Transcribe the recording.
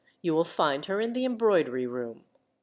You will find her in the embroidery room.